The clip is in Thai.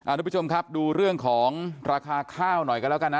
ทุกผู้ชมครับดูเรื่องของราคาข้าวหน่อยกันแล้วกันนะ